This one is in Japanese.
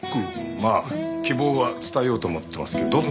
まあ希望は伝えようと思ってますけど。